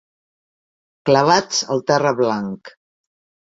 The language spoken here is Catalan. Clavats al terra blanc.